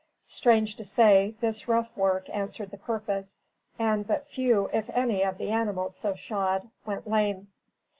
Strange to say, this rough work answered the purpose, and but few, if any, of the animals so shod, went lame.